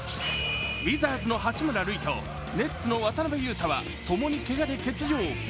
ウィザーズの八村塁とネッツの渡邊雄太は共にけがで欠場。